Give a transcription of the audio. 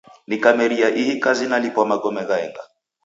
Nikameria ihi kazi nalipwa magome ghaenga.